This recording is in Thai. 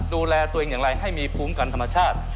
ดูแลตัวเองอย่างไรให้มีภูมิกันธรรมชาติ